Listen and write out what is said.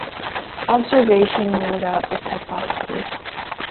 Observation ruled out this hypothesis.